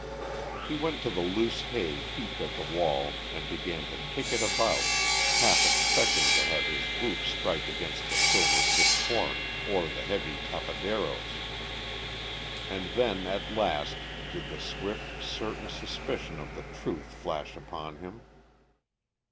He went to the loose hay heaped at the wall and began to kick it about, half expecting to have his boot strike against the silver tipped horn or the heavy tapaderos. And then at last did the swift, certain suspicion of the truth flash upon him.